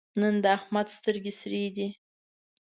نن د احمد سترګې سرې دي.